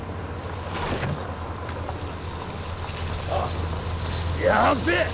あっやっべえ！